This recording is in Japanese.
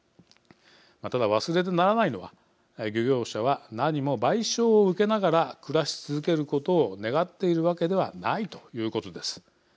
ただ、忘れてならないのは漁業者はなにも賠償を受けながら暮らし続けることを願っているわけではないということです。